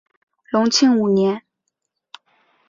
隆庆五年。